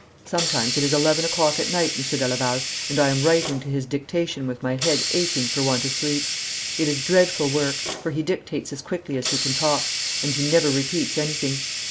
Sometimes it is eleven o'clock at night, Monsieur de Laval, and I am writing to his dictation with my head aching for want of sleep. It is dreadful work, for he dictates as quickly as he can talk, and he never repeats anything.